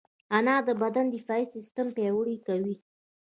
انار د بدن دفاعي سیستم پیاوړی کوي.